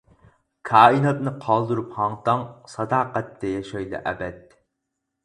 كائىناتنى قالدۇرۇپ ھاڭ-تاڭ، ساداقەتتە ياشايلى ئەبەد.